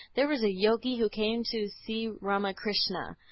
There was a Yogi who came to see Ramakrishna.